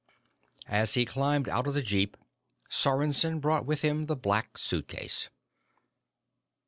As he climbed out of the jeep, Sorensen brought with him the Black Suitcase.